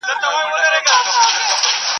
يوه مور خرڅوله، بل په پور غوښتله.